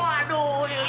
aduh ya gini